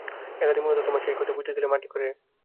এলাদি তোমার সেই খ্যাতি বুঝি দিলে মাটি করে।